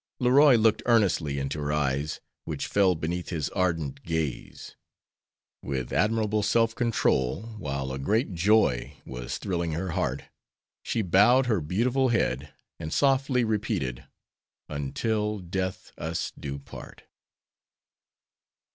Leroy looked earnestly into her eyes, which fell beneath his ardent gaze. With admirable self control, while a great joy was thrilling her heart, she bowed her beautiful head and softly repeated, "Until death us do part."